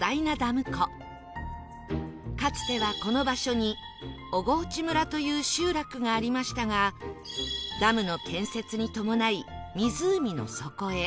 かつてはこの場所に小河内村という集落がありましたがダムの建設に伴い湖の底へ